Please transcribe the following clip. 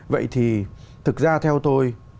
vậy thì thực ra theo tôi